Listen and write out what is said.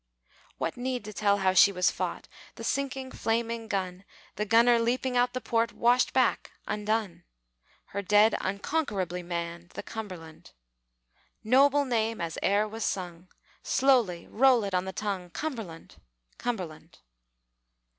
What need to tell how she was fought The sinking flaming gun The gunner leaping out the port Washed back, undone! Her dead unconquerably manned The Cumberland. Noble name as e'er was sung, Slowly roll it on the tongue Cumberland! Cumberland!